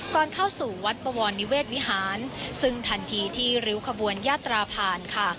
ก่อนเข้าสู่วัดบวรนิเวศวิหารซึ่งทันทีที่ริ้วขบวนยาตราผ่านค่ะ